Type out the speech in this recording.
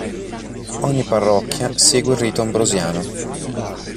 Ogni parrocchia segue il rito ambrosiano.